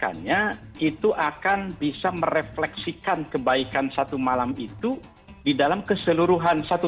tapi orang yang mendapatkannya itu akan bisa merefleksikan kebaikan satu malam itu di dalam keseluruhan satu tahun